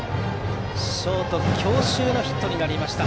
ショート強襲のヒットでした。